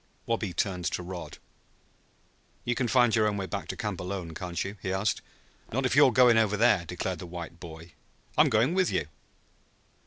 Wabi turned to Rod. "You can find your way back to camp alone, can't you?" he asked. "Not if you're going over there!" declared the white boy. "I'm going with you."